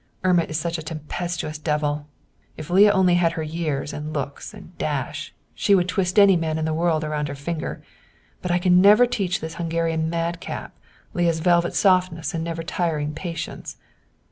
Irma is such a tempestuous devil. If Leah only had her years and looks and dash, she would twist any man in the world around her finger. But I can never teach this Hungarian madcap, Leah's velvet softness and never tiring patience."